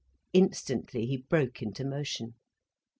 Instantly he broke into motion.